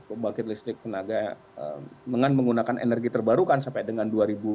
pembangkit listrik tenaga dengan menggunakan energi terbarukan sampai dengan dua ribu dua puluh